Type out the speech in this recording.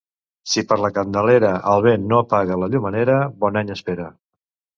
Si per la Candelera el vent no apaga la llumenera, bon any espera.